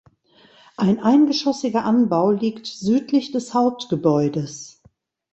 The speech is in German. Ein eingeschossiger Anbau liegt südlich des Hauptgebäudes.